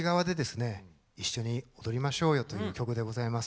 一緒に踊りましょうよという曲でございます。